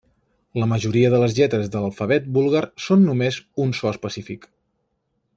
La majoria de les lletres de l'alfabet búlgar són només un so específic.